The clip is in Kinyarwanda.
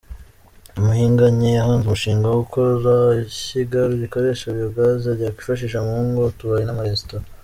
Uwihanganye yahanze umushinga wo gukora ishyiga rikoresha Biyogazi ryakwifashishwa mu ngo, utubari n’amaresitora.